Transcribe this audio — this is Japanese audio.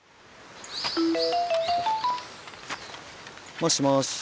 もしもし。